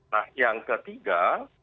nah yang ketiga